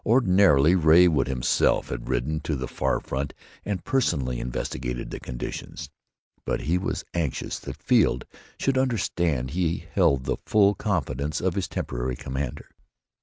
Ordinarily Ray would himself have ridden to the far front and personally investigated the conditions, but he was anxious that Field should understand he held the full confidence of his temporary commander.